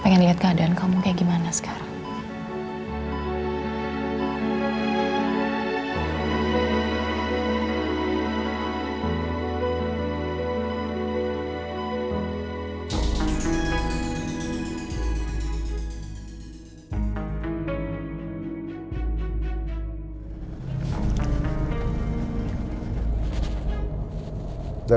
pengen liat keadaan kamu kayak gimana sekarang